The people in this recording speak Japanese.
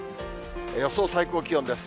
予想最高気温です。